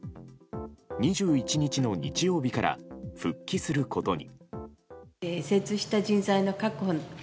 ２１日の日曜日から復帰することに。